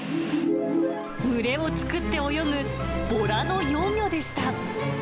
群れを作って泳ぐボラの幼魚でした。